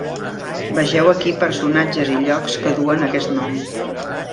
Vegeu aquí personatges i llocs que duen aquest nom.